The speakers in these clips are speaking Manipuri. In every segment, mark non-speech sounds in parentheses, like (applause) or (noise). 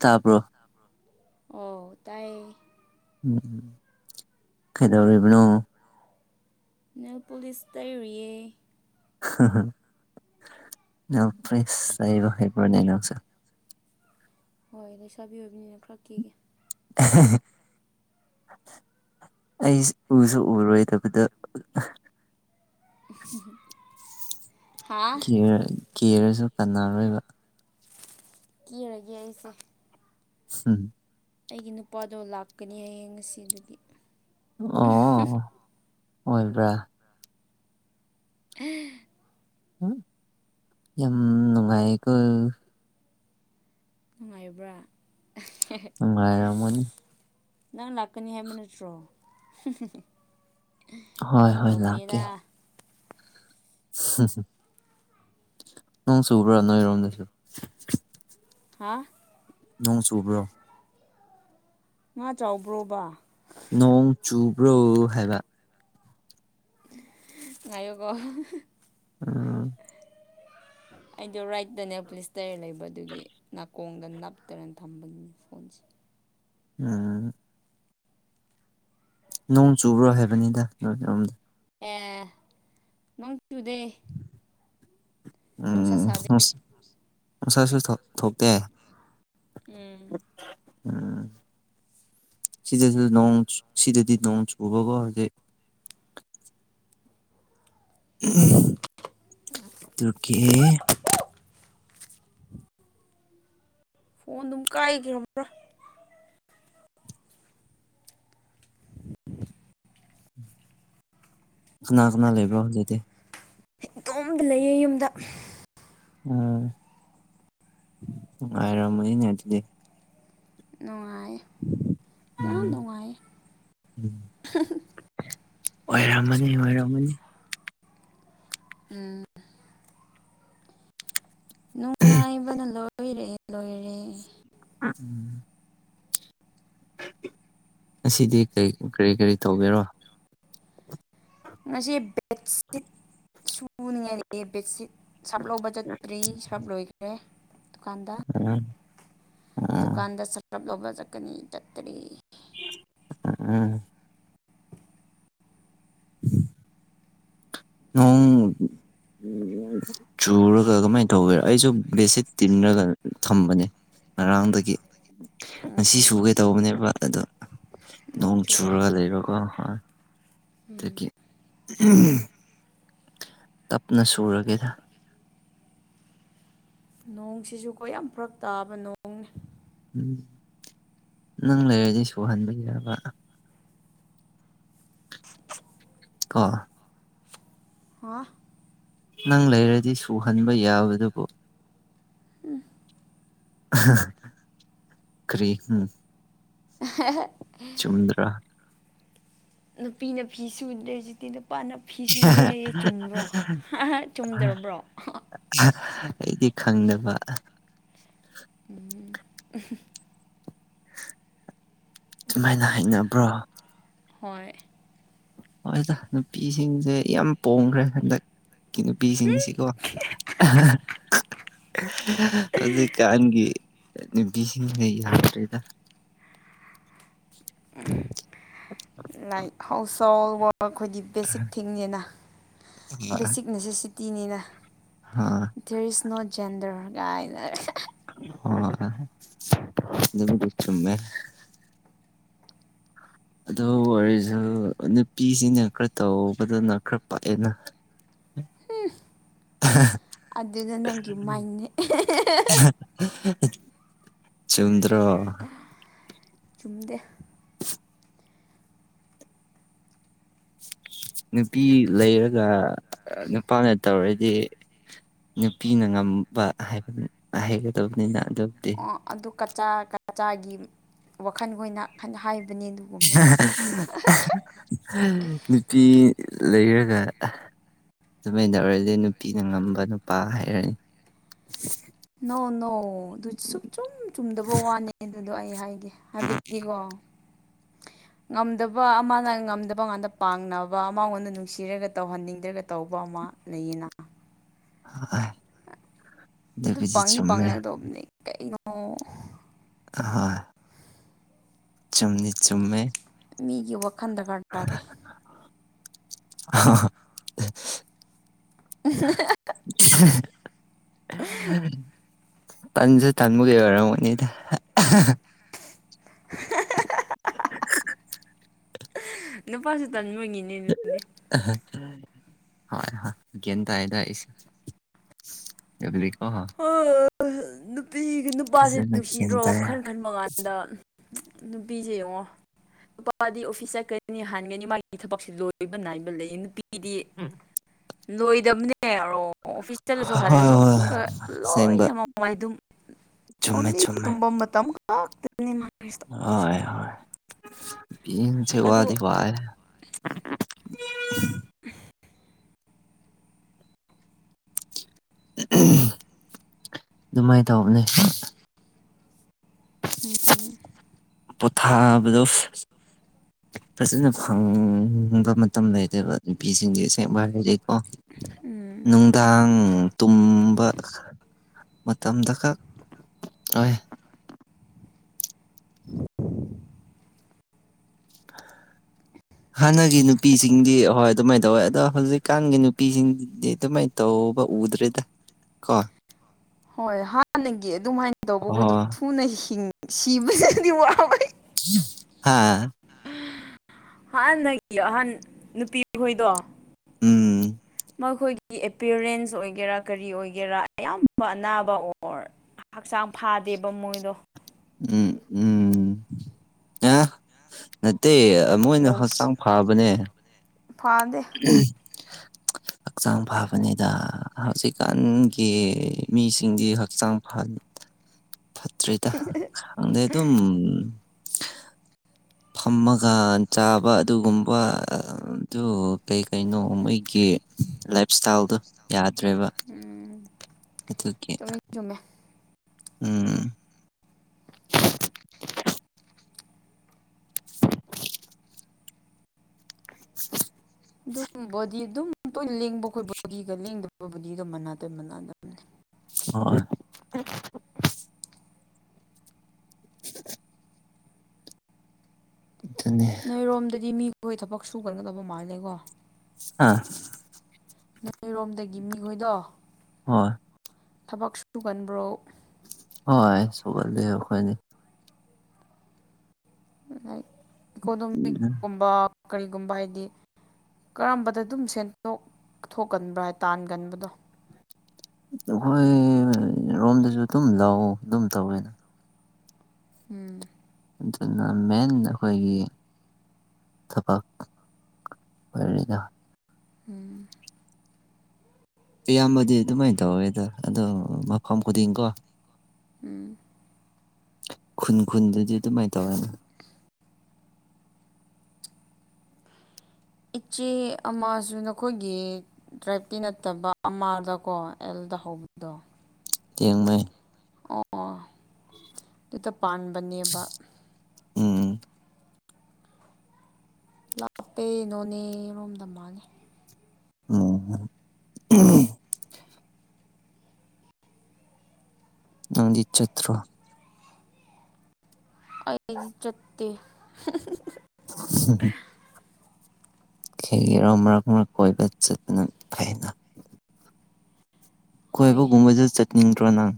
ꯇꯕꯔꯣ ꯑꯣ ꯇꯥꯏ ꯎꯝ ꯀꯩꯗꯧꯔꯤꯕꯅꯣ ꯅꯦꯜ ꯄꯨꯂꯤꯁ ꯇꯩꯔꯤꯩ ꯅ ꯐ꯭ꯔꯦꯕꯕꯅꯦ ꯂꯥꯛꯁ (unintelligible) ꯍꯣꯏ ꯂꯩꯁꯥꯕꯤ ꯑꯣꯏꯕꯅꯤꯅ ꯈꯔ ꯀꯦꯒꯦ (inaudible) ꯑꯩ ꯎꯁꯨ ꯎꯔꯣꯏꯗꯕꯗ (inaudible) ꯍꯥ ꯦ ꯀꯦꯔꯁꯨ ꯀꯅꯔꯣꯏꯕ ꯀꯦꯔꯒꯦ ꯑꯩꯁꯦ ꯍꯝ ꯑꯩꯒꯤ ꯅꯨꯄꯥꯗꯣ ꯂꯥꯛꯀꯅꯤ ꯍꯌꯦꯡ ꯉꯁꯤ ꯑꯗꯨꯒꯤ ꯑꯣ ꯑꯣꯏꯣꯏꯕ꯭ꯔꯥ ꯑ ꯌꯥꯝ ꯅꯨꯡꯉꯥꯏꯀꯣ ꯅꯨꯡꯉꯥꯏꯕ꯭ꯔꯥ ꯃꯥꯏꯔꯃꯅꯤ ꯅꯪ ꯂꯥꯛꯀꯅꯤ ꯍꯥꯏꯕ ꯅꯠꯇ꯭ꯔꯣ ꯍꯣꯏ ꯍꯣꯏ ꯂꯥꯛꯀꯦ ꯀꯩꯗꯧꯕꯅꯤꯗ ꯅꯣꯡ ꯁꯨꯕ꯭ꯔꯥ ꯅꯣꯏ ꯏꯔꯝꯗꯁꯨ ꯍꯥ ꯅꯣꯡ ꯆꯨꯕ꯭ꯔꯣ ꯉꯥ ꯆꯥꯎꯕ꯭ꯔꯣꯕ ꯅꯣꯡ ꯆꯨꯕ꯭ꯔꯣ ꯍꯥꯏꯕ ꯉꯥꯏꯣꯒꯣ ꯎꯝ ꯑꯩꯗꯣ ꯔꯥꯏꯠꯇꯅꯦ ꯄꯨꯂꯤꯁꯇꯔ ꯂꯩꯕ ꯑꯗꯨꯒꯤ ꯅꯥꯀꯣꯡ ꯗ ꯅꯞꯇꯅ ꯊꯝꯕꯒꯤ ꯐꯣꯟꯁꯦ ꯎꯝ ꯅꯣꯡ ꯆꯨꯕ꯭ꯔꯣ ꯍꯥꯏꯕꯅꯤꯗ ꯅꯃꯤꯠꯔꯣꯝꯗ ꯑꯦ ꯅꯣꯡ ꯇꯨꯗꯦ ꯅꯨꯡꯁꯥ ꯁꯥꯗꯦ ꯃꯁꯥꯁꯨ ꯊꯣꯛꯇꯦ ꯎꯝ ꯎꯝ ꯁꯤꯤꯗꯦꯁꯤꯗ ꯅꯣꯡꯆ ꯁꯤꯗꯦꯗꯤ ꯅꯣꯡꯆ ꯎꯣꯛꯖ ꯇ ꯀꯍꯦ ꯐꯣꯟ ꯑꯗꯨꯝ ꯀꯥꯏꯈ꯭ꯔꯕ꯭ꯔꯥ ꯀꯅꯥ ꯀꯅꯥ ꯂꯩꯕ꯭ꯔꯣ ꯍꯧꯖꯤꯛꯇꯤ ꯏꯇꯣꯝꯗ ꯂꯩꯌꯦ ꯌꯨꯝꯗ ꯑ ꯑꯔꯃ ꯉꯦꯇꯗꯤꯦ ꯅꯨꯡꯉꯥꯏ ꯌꯥꯝ ꯎꯝ ꯅꯨꯡꯉꯥꯏ ꯑꯣꯏꯔꯝꯃꯅꯤ ꯑꯣꯏꯔꯝꯃꯅꯤ ꯎꯝ ꯅꯨꯡꯉꯥꯏꯕꯅ ꯂꯣꯏꯔꯦ ꯂꯣꯏꯔꯦ ꯎꯝ ꯑꯁꯤꯗꯤ ꯀꯔꯤ ꯀꯔꯤ ꯇꯧꯕꯒꯦꯔꯣ ꯉꯁꯤ ꯕꯦꯠꯁꯤꯠ ꯁꯨꯅꯤꯡꯉꯥꯏ ꯕꯦꯠꯁꯤꯠ ꯁꯞꯂꯕ ꯆꯠꯇ꯭ꯔꯤ ꯐꯞ ꯂꯣꯏꯈꯦ ꯗꯨꯀꯥꯟꯗ ꯎꯝ ꯎꯝ ꯗꯨꯀꯥꯟꯗ ꯁ꯭ꯔꯞ ꯂꯧꯕ ꯆꯠꯀꯅꯤ ꯆꯠꯇ꯭ꯔꯤ ꯎꯝ ꯎꯝ ꯎꯝ ꯆꯨꯔꯒ ꯀꯃꯥꯏꯅ ꯇꯧꯒꯦ ꯑꯩꯁꯨ ꯕꯦꯠꯁꯤꯠ ꯇꯤꯔꯒ ꯊꯝꯕꯅꯦ ꯉꯔꯥꯡꯗꯒꯤ ꯉꯁꯤ ꯎꯝ ꯁꯨꯒꯦ ꯇꯧꯕꯅꯦꯕ ꯑꯗꯣ ꯅꯣꯡ ꯆꯨꯔꯒ ꯂꯩꯕ ꯀꯣ ꯍ ꯎꯝ ꯇꯞꯅ ꯁꯨꯔꯒꯦꯗ ꯅꯣꯡꯁꯤꯁꯨ ꯀꯣ ꯌꯥꯝ ꯐꯔꯛ ꯇꯥꯕ ꯅꯣꯡꯅꯦ ꯅꯪ ꯂꯩꯔꯗꯤ ꯁꯨꯍꯟꯕ ꯌꯥꯕ (inaudible) ꯑ ꯍꯥ ꯅꯪ ꯂꯩꯔꯗꯤ ꯁꯨꯍꯟꯕ ꯌꯥꯕꯗꯨꯕꯨ ꯎꯝ ꯀꯔꯤ ꯎꯝ (inaudible) ꯆꯨꯝꯗ꯭ꯔꯥ ꯅꯨꯄꯤ ꯅꯨꯄꯤꯤ ꯁꯨꯗ꯭ꯔꯦ ꯍꯧꯖꯤꯛꯇꯤ ꯅꯨ ꯅꯨꯄꯥꯅ ꯐꯤ ꯁꯨꯔꯦ ꯍꯥꯏꯌꯦꯦ ꯆꯨꯝꯕ꯭ꯔꯣ ꯆꯨꯝꯗ꯭ꯔꯕ꯭ꯔꯣ ꯑꯩꯗꯤ ꯈꯪꯗꯕ ꯎꯝ ꯁꯨꯃꯥꯏꯅ ꯍꯅꯕ꯭ꯔꯣ ꯍꯣꯏ ꯍꯗ ꯅꯨꯄꯤꯁꯤꯡꯁꯦ ꯌꯥꯝ ꯄꯣꯡꯈ꯭ꯔꯦ ꯍꯟꯗꯛ ꯅꯨꯄꯤꯁꯤꯡꯁꯤꯀꯣ ꯍꯧꯖꯤꯛꯀꯥꯟꯒꯤ ꯅꯨꯄꯤꯁꯤꯡꯁꯦ ꯌꯥꯗ꯭ꯔꯤꯗ ꯂꯥꯏ ꯍꯥꯎꯁ ꯑꯩꯈꯣꯏꯒꯤ ꯕꯦꯁꯤꯛ ꯊꯤꯡꯅꯤꯅ ꯕꯦꯁꯤꯛ ꯅꯦꯁꯦꯁꯤꯇꯤꯅꯤꯅ ꯗꯦꯔ ꯏꯁ ꯅꯣꯠ ꯖꯦꯟꯗꯔꯒꯥꯏꯅ ꯍꯃꯦ ꯑꯗꯨ ꯋꯥꯔꯤꯁꯨ ꯅꯨꯄꯤꯁꯤꯡꯅ ꯈꯔ ꯇꯧꯕꯗꯅ ꯈꯔ ꯄꯥꯛꯑꯦꯅ ꯑꯗꯨꯅ ꯅꯪꯒꯤ ꯃꯥꯏꯅꯤ ꯆꯨꯝꯗ꯭ꯔ ꯆꯨꯝꯗ ꯅꯨꯄꯤ ꯂꯩꯔꯒ ꯅꯨꯄꯥꯅ ꯇꯧꯔꯗꯤ ꯅꯨꯄꯤꯅ ꯉꯝꯕ ꯍꯥꯏꯕꯅꯤ ꯍꯩꯒꯗꯕꯅꯤꯅ ꯑꯗꯨꯕꯨꯗꯤ ꯑꯣ ꯑꯗꯨ ꯀꯆꯥ ꯀꯆꯥꯒꯤ ꯋꯥꯈꯜꯈ ꯑꯣꯏꯅ ꯍꯥꯏ ꯅꯨꯄꯤ ꯂꯩꯔꯒ ꯑꯗꯨꯃꯥꯏꯅ ꯇꯧꯔꯗꯤ ꯅꯨꯄꯤꯅ ꯉꯝꯕ ꯅꯨꯄꯥ ꯍꯥꯏꯔꯅꯤ ꯅꯣ ꯅꯣ ꯑꯗꯨ ꯁ ꯆꯨꯝ ꯆꯨꯝꯗꯕ ꯋꯥꯅꯤ ꯑꯗꯨꯗꯣ ꯑꯩ ꯍꯥꯏꯒꯦ ꯍꯥꯏꯕꯗꯤꯀꯣ ꯑꯣ (unintelligible) ꯉꯝꯗꯕ ꯑꯃꯅ ꯉꯝꯗꯕ ꯉꯥꯟꯇ ꯄꯥꯡꯅꯕ ꯑꯃꯉꯣꯟꯗ ꯅꯨꯡꯁꯤꯔꯒ ꯇꯧꯍꯟꯅꯤꯡꯗ꯭ꯔꯒ ꯇꯧꯕ ꯑꯃꯛ ꯃꯥ ꯂꯩꯅ (unintelligible) ꯑꯗꯨ ꯑꯗꯨ ꯑꯗꯨꯕꯨꯗꯤ ꯄꯪꯤ ꯆꯨꯝꯃꯦ ꯄꯉꯗꯣꯕꯅꯤ ꯀꯉꯣ ꯍ ꯆꯨꯝꯃꯤ ꯆꯨꯝꯃꯦ ꯃꯤꯒꯤ ꯋꯥꯈꯜ ꯗꯔꯀꯥꯔ ꯇꯥꯗꯦ ꯑ ꯄꯟꯖ ꯇꯥꯟꯃꯨ ꯀꯩ ꯑꯣꯏꯔꯅꯤꯗ ꯅꯄꯥꯁꯨ ꯇꯅꯤ ꯃꯉꯤꯅꯦ ꯑꯗꯨꯗꯤ ꯍꯣꯏ ꯍꯣꯏ ꯦꯟ ꯇ ꯍꯥꯏ ꯇꯁꯨ ꯅꯨꯄꯤ ꯅꯨꯄꯥꯁꯦ ꯐꯖꯅ ꯒ꯭ꯌꯥꯟ ꯅꯨꯡꯁꯤꯗ꯭ꯔꯣ ꯇꯥꯏ ꯍꯣꯏ ꯋꯥꯈꯜ ꯈꯟꯕ ꯀꯥꯟꯗ ꯕꯤꯖ ꯑꯣꯉ ꯅꯨꯄꯥꯗꯤ ꯑꯣꯐꯤꯁ ꯆꯠꯀꯅꯤ ꯍꯥꯟꯒꯅꯤ ꯃꯥꯒꯤ ꯊꯕꯛꯁꯤ ꯂꯣꯏꯕ ꯅꯥꯏꯕ ꯂꯩꯌꯦ ꯅꯨꯄꯤ ꯑꯩꯗꯤ ꯂꯣꯏꯗꯕꯅꯦꯔꯣ ꯑꯣꯐꯤꯁ ꯆꯠꯂꯁꯨ ꯍꯜꯂꯁꯨ ꯍꯣꯏ ꯑꯃꯨꯛꯀ ꯑꯁꯦꯡꯕ ꯂꯣꯏꯅ ꯃꯃꯉꯥꯏ ꯑꯗꯨꯝ ꯆꯨꯝꯃꯦ ꯑꯣꯡꯂꯤ ꯇꯨꯝꯐꯝ ꯃꯇꯝ ꯈꯇ ꯍ ꯍ ꯄꯁ ꯑꯗꯨ ꯋꯥꯗꯤ ꯋꯥꯏ (unintelligible) ꯑꯗꯨꯃꯥꯏꯅ ꯇꯧꯕꯅꯦ ꯎꯝ ꯄꯣꯊꯥꯕꯗꯣ ꯐꯖꯅ ꯐꯪꯕ ꯃꯇꯝ ꯂꯩꯇꯕ ꯅꯨꯄꯤꯁꯤꯡꯁꯦ ꯁꯦꯡꯕꯗꯤ ꯑꯣ ꯎꯝ ꯅꯨꯡꯗꯥꯡ ꯇꯨꯝꯕ ꯃꯇꯝꯗ ꯈꯛ ꯑꯣꯏ ꯍꯥꯟꯅꯒꯤ ꯅꯨꯄꯤꯁꯤꯡꯗꯤ ꯑꯍꯣꯏ ꯑꯗꯨꯃꯥꯏꯅ ꯇꯧꯋꯦ ꯑꯗꯣ ꯍꯧꯖꯤꯛꯀꯥꯟꯒꯤ ꯅꯨꯄꯤꯁꯤꯡꯗꯤ ꯑꯗꯨꯃꯥꯏꯅ ꯇꯧꯕ ꯎꯗ꯭ꯔꯦꯗ ꯀꯣ ꯍꯣꯏ ꯍꯥꯟꯅꯒꯤ ꯑꯗꯨꯃꯥꯏꯅ ꯇꯧꯕ ꯑꯩꯈꯣꯏꯗ ꯑꯣ ꯊꯨꯅ ꯍ ꯁꯤꯕꯁꯗꯤ ꯋꯥꯕꯩ ꯍꯥꯥ ꯍꯥꯟꯅꯒꯤ ꯑꯍꯟ ꯅꯨꯄꯤꯈꯣꯏꯗꯣ ꯎꯝ ꯃꯈꯣꯏꯒꯤ ꯑꯦꯄꯤꯌꯔꯦꯟꯁ ꯑꯣꯏꯒꯦꯔꯥ ꯀꯔꯤ ꯑꯣꯏꯒꯦꯔꯥ ꯑꯌꯥꯝꯕ ꯑꯅꯥꯕ ꯑꯣꯔ ꯍꯛꯆꯥꯡ ꯐꯥꯗꯦꯕ ꯃꯣꯏꯗꯣ ꯎꯝ ꯎꯝ ꯑ ꯑꯇꯩ ꯃꯣꯏꯅ ꯅꯨꯡꯁꯤ ꯍꯛꯆꯥꯡ ꯐꯕꯅꯦ ꯐꯥꯗꯦ ꯍꯛꯆꯥꯡ ꯐꯥꯕꯅꯤꯗ ꯍꯧꯖꯤꯛꯀꯥꯟꯒꯤ ꯃꯤꯁꯤꯡꯗꯤ ꯍꯛꯆꯥꯡ ꯐ ꯇꯔꯤꯇ ꯑꯗ ꯑꯗꯨꯝ ꯐꯝꯃꯒ ꯆꯥꯕ ꯑꯗꯨꯒꯨꯝꯕ ꯑꯗꯨ ꯀꯩ ꯀꯩꯅꯣ ꯃꯣꯏꯒꯤ ꯂꯥꯏꯞ ꯏꯁꯇꯥꯏꯜꯗꯣ ꯌꯥꯗ꯭ꯔꯦꯕ ꯎꯝ ꯑꯗꯨꯒꯤ ꯆꯨꯝꯃꯤ ꯆꯨꯝꯃꯦ ꯎꯝ (inaudible) ꯑꯗꯨꯝ ꯣꯗꯤ ꯑꯗꯨꯝ ꯇꯣꯏꯅ ꯂꯦꯡꯕ ꯑꯩꯈꯣꯏ ꯕꯨꯣꯗꯤꯒ ꯂꯦꯡꯗꯕ ꯕꯨꯣꯗꯤꯒ ꯃꯅꯥꯗ ꯃꯅꯗꯕꯅꯤ ꯑꯣ ꯑꯗꯨꯅꯤ ꯅꯣꯏꯔꯣꯝꯗꯗꯤ ꯃꯤꯈꯣꯏ ꯊꯕꯛ ꯁꯨꯒꯅꯒꯗꯕ ꯃꯥꯜꯂꯦꯀꯣ ꯑ ꯃꯔꯣꯝꯗꯒꯤ ꯃꯤꯈꯣꯏꯗꯣ ꯍꯣꯏ ꯊꯕꯛ ꯁꯨꯒꯟꯕ꯭ꯔꯣ ꯍꯣꯏ ꯁꯣꯛꯒꯜꯂꯤ ꯑꯩꯈꯣꯏꯅꯤ ꯏꯀꯣꯗꯣꯃꯤꯛꯀꯨꯝꯕ ꯀꯔꯤꯒꯨꯝꯕ ꯍꯥꯏꯗꯤ ꯀꯔꯝꯕꯗ ꯑꯗꯨꯝ ꯁꯦꯟꯗꯣꯛ ꯊꯣꯛꯀꯟꯕ꯭ꯔ ꯍꯥꯏ ꯇꯥꯟꯒꯟꯕꯗꯣ ꯑꯩꯈꯣꯏ ꯔꯣꯝꯗꯁꯨ ꯑꯗꯨꯝ ꯂꯥꯛꯑꯣ ꯑꯗꯨꯝ ꯇꯧꯋꯦꯅ ꯎꯝ ꯑꯗꯨꯅ ꯃꯦꯟ ꯑꯩꯈꯣꯏꯒꯤ ꯆꯐ ꯑꯣꯏ ꯎꯝ ꯑꯌꯥꯝꯕꯗꯤ ꯑꯗꯨꯃꯥꯏꯅ ꯇꯧꯋꯦꯗ ꯑꯗꯣ ꯃꯐꯝ ꯈꯨꯗꯤꯡꯀꯣ ꯎꯝ ꯈꯨꯟ ꯈꯨꯟꯗꯨꯗꯤ ꯑꯗꯨꯃꯥꯏꯅ ꯇꯧꯔꯅ ꯏꯆꯦ ꯑꯃꯁꯨ ꯅꯈꯣꯏꯒꯤ ꯇ꯭ꯔꯥꯏꯞꯀꯤꯤ ꯅꯠꯇꯕ ꯑꯃꯥꯗꯀꯣ ꯑꯦꯜ ꯗꯍꯕꯗ ꯂꯦꯡꯃꯦ ꯑꯣ ꯑꯗꯨꯇ ꯄꯥꯟꯕꯅꯦꯕ ꯎꯝ ꯍꯥꯞꯄꯦ ꯅꯣꯅꯦꯔꯣꯝꯗ ꯃꯥꯥꯡꯉꯦ ꯎꯝ ꯅꯪꯗꯤ ꯆꯠꯇ꯭ꯔꯣ ꯑꯩ ꯆꯠꯇ ꯍꯝ ꯍꯔ ꯑꯃꯔ ꯀꯔ ꯀꯣꯏꯕꯠ ꯆꯅ ꯊꯥꯏꯅ ꯍꯣꯏ ꯀꯣꯏꯕꯒꯨꯝꯕꯁꯨ ꯆꯠꯅꯤꯡꯗ꯭ꯔꯣ ꯅꯪ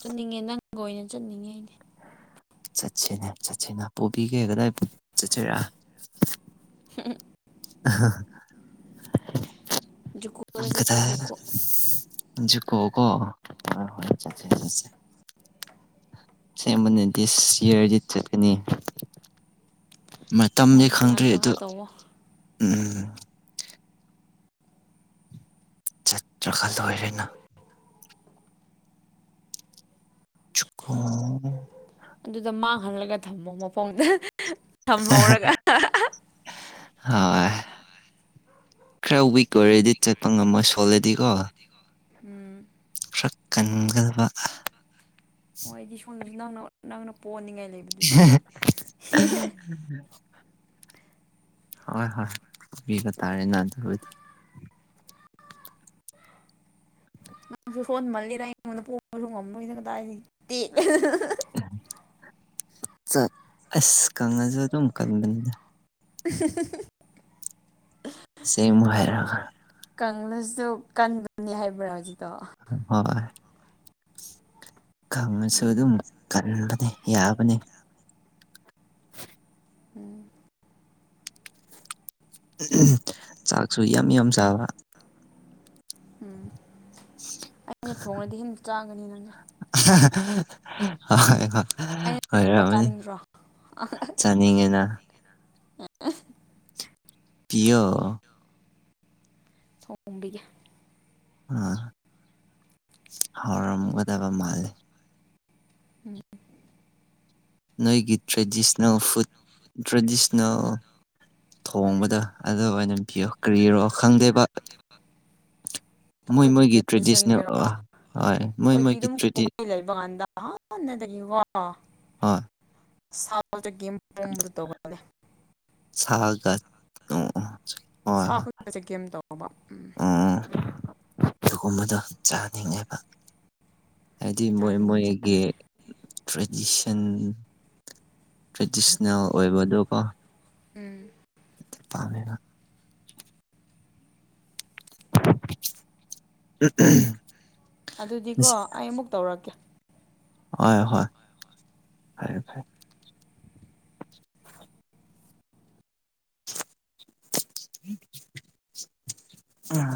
ꯆꯠꯅꯤꯡꯉꯦ ꯅꯪꯒ ꯑꯣꯏꯅ ꯆꯠꯅꯤꯡꯉꯦ ꯑꯩꯅꯦ ꯆꯠꯁꯤꯅꯦ ꯆꯠꯁꯦꯅꯦ ꯄꯨꯣꯕꯤꯒꯦ ꯀꯗꯥꯏꯕꯤ ꯆꯠꯁꯤꯔ ꯎꯝ ꯑ ꯨꯀꯨꯗ ꯆꯦ ꯨꯀ ꯖꯤ ꯀꯣ ꯀꯣ ꯍ ꯍꯣꯏꯦ ꯁꯦꯝꯕꯅ ꯗꯤꯁ ꯌꯔꯖꯤꯠ ꯆꯠꯀꯅꯤ ꯃꯇꯝꯗꯤ ꯍꯣꯏ ꯄ꯭ꯂꯥꯟ ꯈꯪꯗ꯭ꯔꯔꯤ ꯑꯗꯨ ꯇꯧꯔ ꯇꯧꯋꯣ ꯎꯝ ꯆꯠ ꯆ꯭ꯔ ꯈꯜꯗ ꯑꯣꯏꯔꯦꯅ (unintelligible) ꯑꯗꯨꯗ ꯃꯥꯡꯍꯂꯒ ꯊꯝꯃꯣ ꯃꯐꯝꯗ ꯊꯝꯍꯧꯔꯒ ꯍꯣꯏ ꯈꯔ ꯋꯤꯛ ꯑꯣꯏꯔꯗꯤ ꯆꯠꯄ ꯉꯝꯃꯣꯏ ꯁꯣꯜꯂꯗꯤꯀꯣ ꯎꯝ ꯁꯛꯀꯟꯒꯜꯕ ꯍꯣꯏ ꯑꯩꯗꯤ ꯁꯣꯝꯗꯁꯨ ꯅꯪꯅ ꯅꯪꯅ ꯄꯣꯟꯅꯤꯡꯉꯥꯏ ꯂꯩꯕꯗꯨꯗꯤ (unintelligible) ꯍꯣꯏ ꯍꯣꯏ ꯇꯕꯤꯕ ꯇꯥꯔꯦ ꯑꯗꯨꯕꯨꯗꯤ (unintelligible) ꯁꯣꯟꯃꯜꯂꯦꯔ ꯑꯩꯉꯣꯟꯗ ꯄꯣꯕꯁꯨ ꯉꯝꯃꯣꯏꯗꯪ ꯇꯗꯤ ꯇꯦꯠꯂꯦ ꯑꯁ ꯀꯉꯖ ꯑꯗꯨꯝꯀꯥꯟꯕꯅꯦꯗ (unintelligible) ꯁꯦꯃ ꯍꯥꯏꯔ ꯀꯪꯂꯁꯤꯗ ꯀꯟꯕꯅꯤ ꯍꯥꯏꯕ꯭ꯔꯥ ꯍꯧꯖꯤꯗꯣ ꯍꯣꯏ ꯈꯪꯉꯁꯨ ꯎꯝ ꯑꯗꯨꯝ ꯀꯟꯕꯅꯦ ꯌꯥꯕ (unintelligible) ꯎꯝ ꯆꯥꯛꯁꯨ ꯌꯥꯝ ꯌꯥꯝ ꯁꯥꯕ ꯎꯝ ꯑꯩꯅ ꯊꯣꯡꯉꯗꯤ ꯁꯝ ꯆꯥꯒꯅꯤ ꯅꯪꯁꯦ (unintelligible) ꯍꯣꯏ ꯍꯣꯏ ꯍꯣꯏ ꯑꯩꯅ ꯊꯣꯡꯕ ꯑꯣꯏꯣꯏꯔꯝꯃꯅꯤ ꯆꯥꯅꯤꯡꯗ꯭ꯔꯣ ꯆꯥꯅꯤꯡꯉꯦꯅ (unintelligible) ꯄꯤꯌꯣ ꯊꯣꯡꯕꯤꯒꯦ (unintelligible) ꯍꯧꯎꯔꯝꯒꯗꯕ ꯃꯥꯜꯂꯦ ꯎꯝ ꯅꯣꯏꯒꯤ ꯇ꯭ꯔꯦꯗꯤꯁꯅꯦꯜ ꯐꯨꯗ ꯇ꯭ꯔꯦꯁ (unintelligible) ꯊꯣꯡꯕꯗ ꯑꯗꯨ ꯑꯣꯏꯅ ꯄꯤꯌꯣ ꯀꯔꯤꯔꯣ ꯈꯪꯗꯦꯕ (unintelligible) ꯑꯩꯈꯣꯏꯒꯤ ꯇ꯭ꯔꯦꯗꯤꯁꯅꯦꯜ ꯇ꯭ꯔꯦꯗꯤꯁꯟꯒꯤꯔꯣ ꯍꯣꯏ ꯃꯣꯏ ꯑꯩꯈꯣꯏꯗꯤ ꯃꯣꯏꯒꯤ ꯑꯗꯨꯝ ꯇ꯭ꯔꯦꯗꯤ ꯀꯨꯝꯍꯩ ꯂꯩꯕ ꯀꯥꯟꯗ ꯍꯥꯟꯅꯗꯒꯤ (unintelligible) ꯍꯣꯏ ꯁꯥ ꯆꯀꯤ ꯄꯨꯝꯝꯕꯗꯨ ꯇꯧꯒꯦ ꯁꯥꯒ ꯑꯣ ꯍꯣꯏ ꯁꯥ ꯍꯣꯏ ꯈꯨꯗꯤꯡꯃꯛ ꯆꯒꯦꯝ ꯇꯧꯕꯧꯕ ꯎꯝ ꯑꯗꯨꯒꯨꯝꯕꯗꯣ ꯆꯥꯅꯤꯡꯉꯦꯕ ꯍꯥꯏꯗꯤ ꯃꯣꯏ ꯆꯥꯒꯅꯤ ꯃꯣꯏꯒꯤ ꯆꯥꯒꯅꯤ ꯇ꯭ꯔꯦꯗꯤꯁꯟ ꯇ꯭ꯔꯦꯗꯤꯁꯅꯦꯜ ꯑꯣꯏꯕꯗꯣꯀꯣ ꯎꯝ ꯄꯥꯃꯦꯕ ꯆꯠꯇ (unintelligible) ꯑꯗꯨꯗꯤꯀꯣ ꯑꯩ ꯑꯃꯨꯛ ꯇꯧꯔꯛꯀꯦ ꯍꯣꯏ ꯍꯣꯢ ꯐꯔꯦ ꯐꯔꯦ (inaudible)